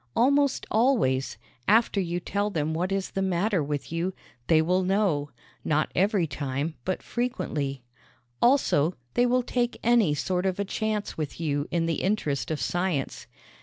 Almost always, after you tell them what is the matter with you, they will know not every time, but frequently. Also, they will take any sort of a chance with you in the interest of science.